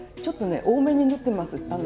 ちょっと多めに塗ってます。